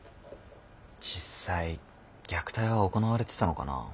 実際虐待は行われてたのかな。